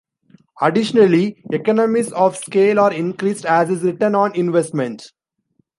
Additionally, economies of scale are increased, as is return on investment.